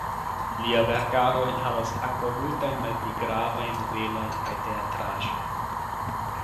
Lia verkaro enhavas ankaŭ multajn malpli gravajn novelojn kaj teatraĵojn.